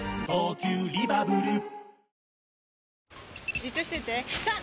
じっとしてて３！